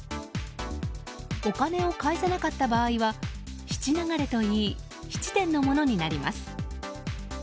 お金を返せなかった場合は質流れといい質店のものになります。